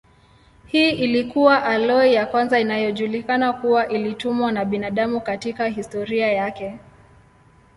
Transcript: Hii ilikuwa aloi ya kwanza inayojulikana kuwa ilitumiwa na binadamu katika historia yake.